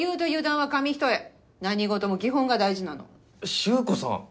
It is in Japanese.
修子さん！